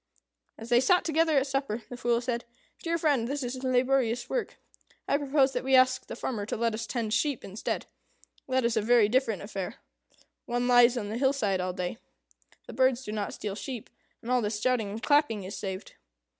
As they sat together at supper, the Fool said, "Dear friend, this is laborious work. I propose that we ask the farmer to let us tend sheep, instead. That is a very different affair. One lies on the hillside all day. The birds do not steal sheep; and all this shouting and clapping is saved."